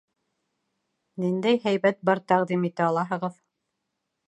Ниндәй һәйбәт бар тәҡдим итә алаһығыҙ?